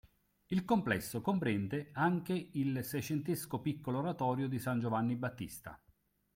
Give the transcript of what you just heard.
Il complesso comprende anche il seicentesco piccolo oratorio di San Giovanni Battista.